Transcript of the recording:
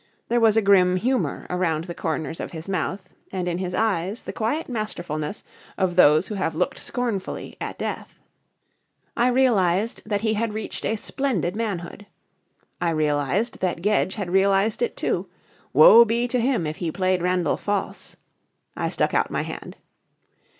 There was a grim humour around the corners of his mouth and in his eyes the quiet masterfulness of those who have looked scornfully at death. I realised that he had reached a splendid manhood. I realised that Gedge had realised it too; woe be to him if he played Randall false. I stuck out my hand.